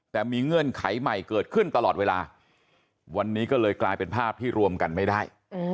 แต่มีเงื่อนไขใหม่เกิดขึ้นตลอดเวลาวันนี้ก็เลยกลายเป็นภาพที่รวมกันไม่ได้